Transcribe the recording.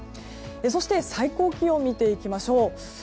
そして、最高気温を見ていきましょう。